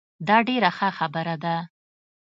دا ډیره ښه خبره ده